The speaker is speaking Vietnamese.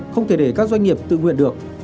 không thể để các doanh nghiệp tự nguyện được